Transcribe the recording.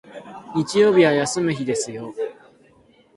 日曜日は休む日ですよ